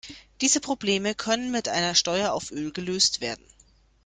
Diese Probleme können mit einer Steuer auf Öl gelöst werden.